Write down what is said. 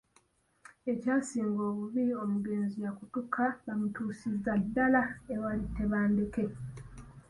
Ekyasinga obubi omugenzi yakutuka bamutuusiza ddala awali Tebandeke.